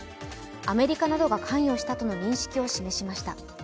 アメリカなどが関与したとの認識を示しました。